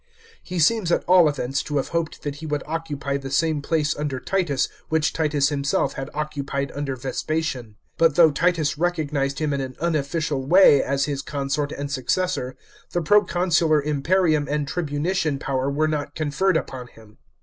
He seems at all events to have hoped that he would occupy the same place under Titus which Titus himself had occupied under Vespasian. But though Titus recognised him in an unofficial way as his consort and successor, the proconsular imperium and tribunician power were not conferred upon him.